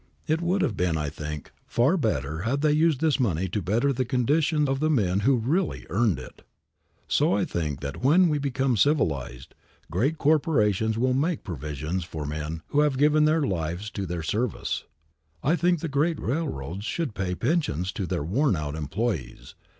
It would have been, I think, far better had they used this money to better the condition of the men who really earned it. So, I think that when we become civilized, great corporations will make provision for men who have given their lives to their service. I think the great railroads should pay pensions to their worn out employees.